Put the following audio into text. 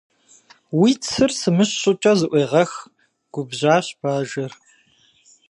Уи цыр сымыщ щӀыкӀэ зыӀуегъэх! - губжьащ Бажэр.